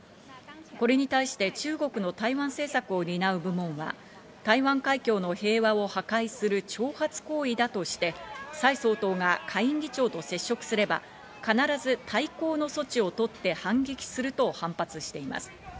これに対して中国の台湾政策を担う部門は台湾海峡の平和を破壊する挑発行為だとして、サイ総統が下院議長と接触すれば、必ず対抗の措置を取って反撃すると反発しています。